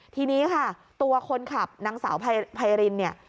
ทีนี้ค่ะตัวคนขับนางสาวไพรินเนี่ย